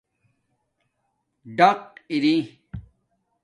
ڈاق اری